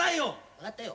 分かったよ。